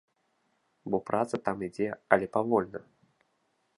Бо праца там ідзе, але павольна.